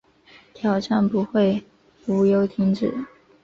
挑战不会无由停止